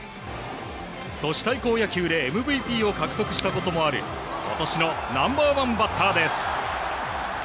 都市対抗野球でＭＶＰを獲得したこともある今年のナンバー１バッターです。